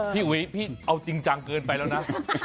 พี่อุ๋ยเอาจริงจังเกินไปแล้วนะ